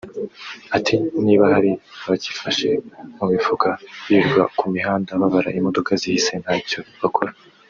Ati “Niba hari abacyifashe mu mifuka birirwa ku mihanda babara imodoka zihise ntacyo bakora